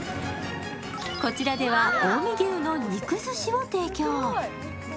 こちらでは近江牛の肉ずしを提供。